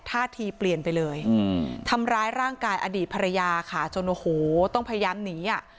ท่าทีเปลี่ยนไปเลยทำร้ายร่างกายอดีตภรรยาค่ะจนโอ้โหต้องพยายามหนีอ่ะ